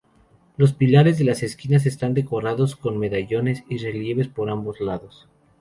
Los pilares de las esquinas están decorados con medallones y relieves por ambos lados.